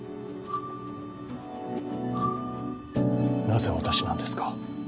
なぜ私なんですか？